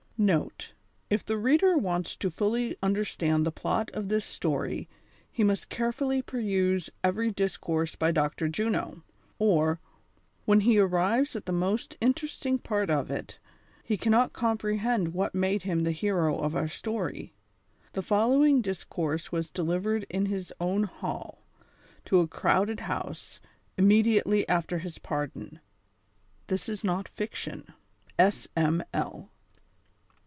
(Note. If the reader wants to fully understand the plot of this story, he must carefully peruse ecery discourse by Dr. Juno, or, tcJien he arrives at the most interesting part of it, Jie can not comprehend what made him tlie hero of our story. The following discourse was delivered in his own hall, to a crowded house, immediately after his pardon. This is not fiction. — S. M. L.)